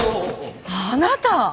あなた！